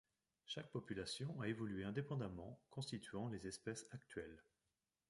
Chaque population a évolué indépendamment constituant les espèces actuelles.